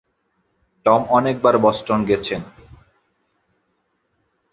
Tom অনেকবার Boston গেছেন।